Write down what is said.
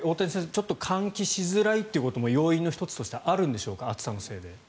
ちょっと換気しづらいということも要因の１つとしてあるんでしょうか。